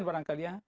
kalau di indonesia